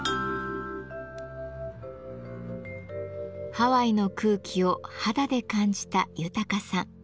ハワイの空気を肌で感じた豊さん。